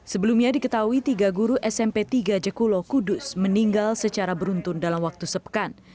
sebelumnya diketahui tiga guru smp tiga jekulo kudus meninggal secara beruntun dalam waktu sepekan